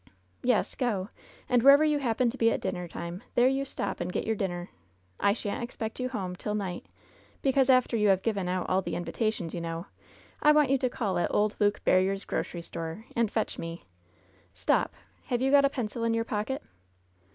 "Yes, go; and wherever you happen to be at dinner time there you stop and get your dinner. I shan't ex pect you home till night, because after you have given out all the invitations, you know, I want you to call at old Luke Barriere's grocery store and fetch me Stop ! have you got a pencil in your pocket